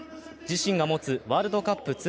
自身が持つワールドカップ